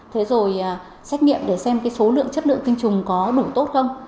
thế rồi xét nghiệm để xem cái số lượng chất lượng tinh trùng có đủ tốt không